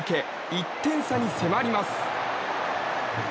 １点差に迫ります。